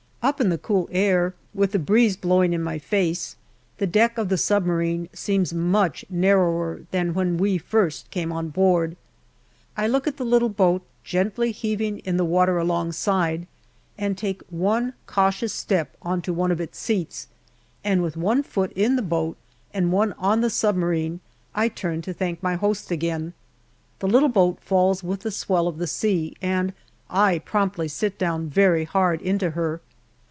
Up in the cool air, with the breeze blowing in my face, the deck of the submarine seems much narrower than when we first came on board. I look at the little boat gently heaving in the water alongside, and take one cautious step on to one of its seats, and with one foot in the boat and one on the submarine I turn to thank my host again. The little boat falls with the swell of the sea, and I promptly sit down very hard into her.